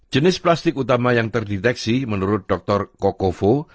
jenis plastik utama yang terdeteksi menurut dr o covo